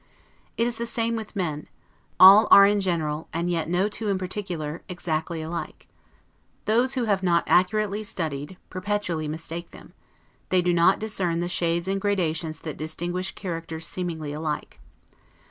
It is the same with men; all are in general, and yet no two in particular, exactly alike. Those who have not accurately studied, perpetually mistake them; they do not discern the shades and gradations that distinguish characters seemingly alike.